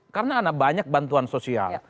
karena ada banyak bantuan sosial